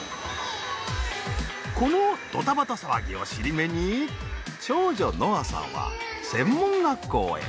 このドタバタ騒ぎを尻目に長女希歩さんは専門学校へ。